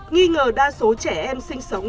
nghi ngờ đa số trẻ em sinh sống